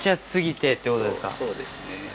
そうですね。